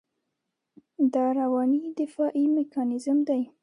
دا رواني دفاعي میکانیزم دی.